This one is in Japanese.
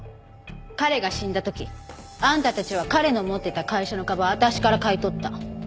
彼が死んだ時あんたたちは彼の持ってた会社の株を私から買い取った。